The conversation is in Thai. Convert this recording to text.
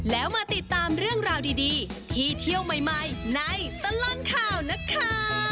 แล้วมาติดตามเรื่องราวดีที่เที่ยวใหม่ในตลอดข่าวนะคะ